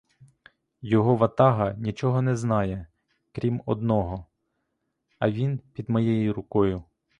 Його ватага нічого не знає, — крім одного, а він під моєю рукою.